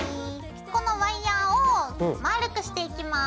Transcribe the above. このワイヤーをまぁるくしていきます。